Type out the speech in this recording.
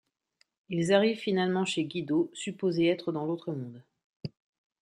Ils arrivent finalement chez Ghido, supposé être dans l'autre monde.